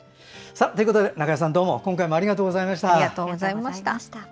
中江さん、今回もありがとうございました。